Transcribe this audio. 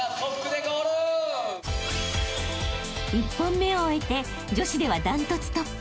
［１本目を終えて女子では断トツトップ］